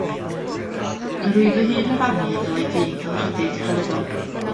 Yr wyf fy hun yn barnu y dylai dyn gael rhyddid crefyddol.